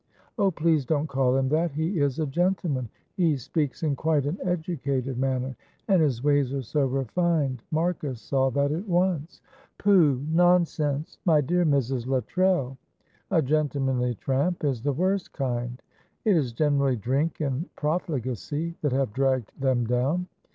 "Oh, please don't call him that; he is a gentleman, he speaks in quite an educated manner, and his ways are so refined. Marcus saw that at once." "Pooh, nonsense! My dear Mrs. Luttrell, a gentlemanly tramp is the worst kind; it is generally drink and profligacy that have dragged them down.